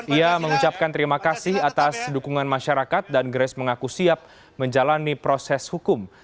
ia mengucapkan terima kasih atas dukungan masyarakat dan grace mengaku siap menjalani proses hukum